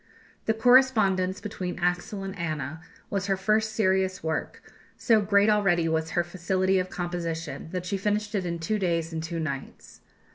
The "Correspondence between Axel and Anna" was her first serious work; so great already was her facility of composition that she finished it in two days and two nights.